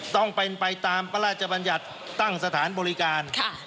ต้องเป็นไปตามพระราชบัญญัติตั้งสถานบริการ